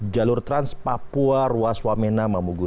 jalur trans papua ruaswamena mamugu satu